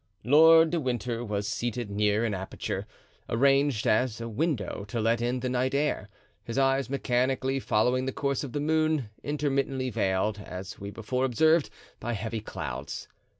Lord Winter was seated near an aperture, arranged as a window to let in the night air, his eyes mechanically following the course of the moon, intermittently veiled, as we before observed, by heavy clouds.